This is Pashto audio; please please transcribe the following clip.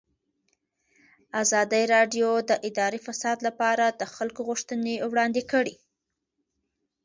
ازادي راډیو د اداري فساد لپاره د خلکو غوښتنې وړاندې کړي.